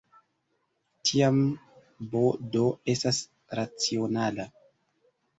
Tiam, "b-d" estas racionala.